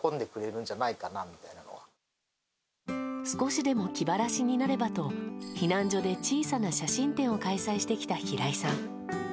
少しでも気晴らしになればと避難所で小さな写真展を開催してきた平井さん。